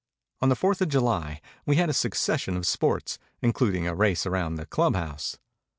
On the Fourth of July we had a succession of sports, including a race around the club house.